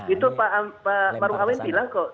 itu pak amri bilang kok